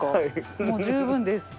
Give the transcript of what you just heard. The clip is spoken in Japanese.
「もう十分です」って。